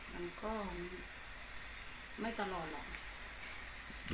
มันก็ไม่ตลอดหรอก